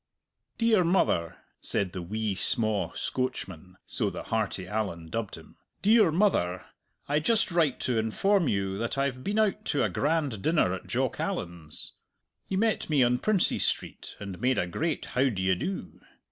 "Dear mother," said the wee sma' Scoatchman so the hearty Allan dubbed him "dear mother, I just write to inform you that I've been out to a grand dinner at Jock Allan's. He met me on Princes Street, and made a great how d'ye do.